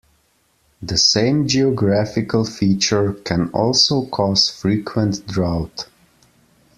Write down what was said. This same geographical feature can also cause frequent drought.